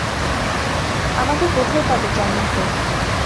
আমাকে কোথায় পাবে, জানোই তো।